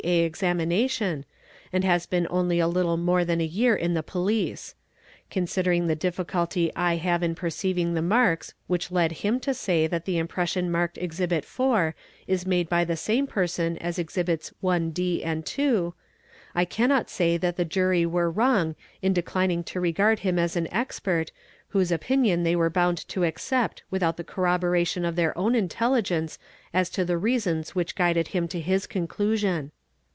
A. Examination, and has been only a little more than a year in the Police. Considering the difficulty I have in perceiving the marks which lead him to say that . i i Fl H : a ' the impression marked Exhibit 4 is made by the same person as Exhibits 1 @ and 2, I cannot say that the Jury were wrong in declining to regard him as an expert, whose opinion they were bound to accept without the corroboration of their own intelligence as to the reasons which guided him _ to his conclusion.